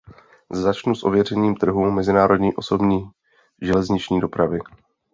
Začnu s otevřením trhu mezinárodní osobní železniční dopravy.